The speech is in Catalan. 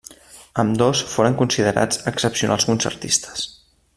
Ambdós, foren considerats excepcionals concertistes.